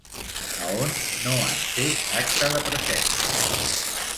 A on no han fet acte de presència?